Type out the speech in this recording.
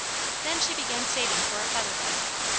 Then she began saving for a featherbed.